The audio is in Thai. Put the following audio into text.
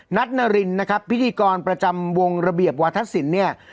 นัทนารินนะครับพิธีกรประจำวงระเบียบวาทศิลป์เนี่ย